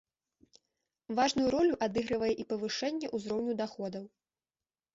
Важную ролю адыгрывае і павышэнне ўзроўню даходаў.